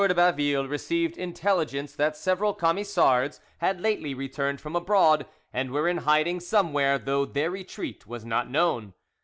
de Baville received intelligence that several Camisards had lately returned from abroad, and were in hiding somewhere, though their retreat was not known.